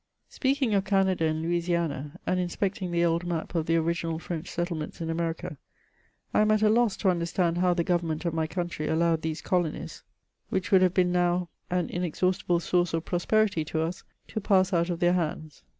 Speaking of Canada and Louisiana, and inspecting the old map of the original French settlements in America, I am at a loss to understand how the government of my country allowed these colonies^ which would have been now an inexhaustible source CHATEATJBRIA2JD. 281 of prosperity to us, to pass out of their hands.